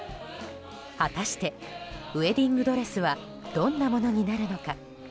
果たして、ウェディングドレスはどんなものになるのか。